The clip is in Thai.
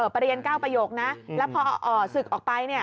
เปรียญเก้าประโยคนะแล้วพอสึกออกไปเนี่ย